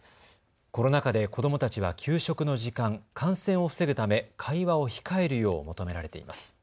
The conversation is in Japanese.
コロナ禍で子どもたちは給食の時間、感染を防ぐため会話を控えるよう求められています。